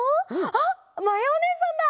あっまやおねえさんだ！